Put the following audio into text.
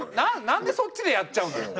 なんでそっちでやっちゃうのよ。